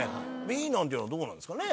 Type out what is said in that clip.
Ｂなんていうのはどうなんですかね？